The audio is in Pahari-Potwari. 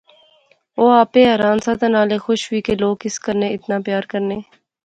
او آپے حیران سا تہ نالے خوش وی کہ لوک اس کنے اتنا پیار کرنے